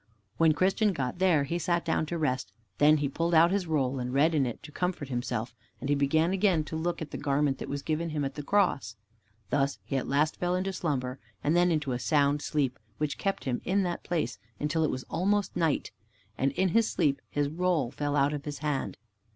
When Christian got there he sat down to rest, then he pulled out his roll and read in it to comfort himself, and he began again to look at the garment that was given to him at the Cross. Thus he at last fell into a slumber, and then into a sound sleep, which kept him in that place, until it was almost night, and in his sleep his roll fell out of his hand.